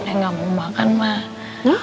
nenek enggak mau makan pak